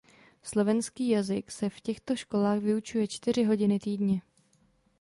Slovenský jazyk se v těchto školách vyučuje čtyři hodiny týdně.